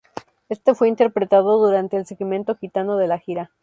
Este fue interpretado durante el segmento gitano de la gira.